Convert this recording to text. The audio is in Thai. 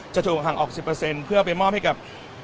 จะถูกห่างออก๑๐เพื่อไปมอบให้กับ